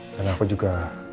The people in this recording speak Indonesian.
dan aku juga